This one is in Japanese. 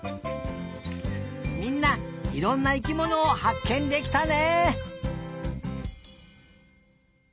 みんないろんな生きものをはっけんできたね！